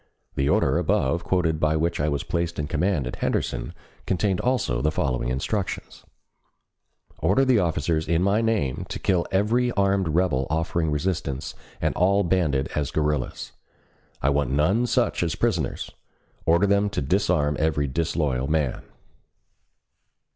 The order above quoted by which I was placed in command at Henderson contained also the following instructions: Order the officers in my name to kill every armed rebel offering resistance and all banded as guerrillas. I want none such as prisoners. Order them to disarm every disloyal man.